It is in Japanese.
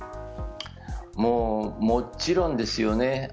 もちろんですよね。